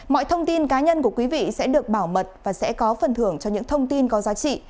mọi thông tin cá nhân của quý vị sẽ được bảo mật và sẽ có phần thưởng cho những thông tin có giá trị